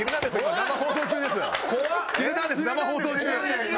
生放送中？